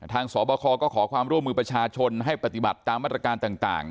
สบคก็ขอความร่วมมือประชาชนให้ปฏิบัติตามมาตรการต่าง